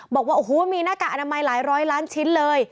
บอกว่าโอ้โหมีหน้ากากอนามัยหลายร้อยล้านชิ้นเลย